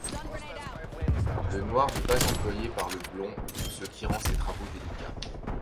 Le noir n'est pas employé par Le Blon, ce qui rend ses travaux délicats.